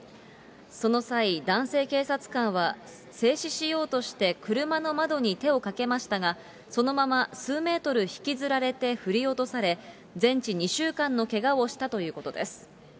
その際、男性警察官は制止しようとして、車の窓に手をかけましたが、そのまま数メートル引きずられて振り落とされ、全治２週間のけがをしたということです。